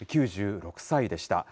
９６歳でした。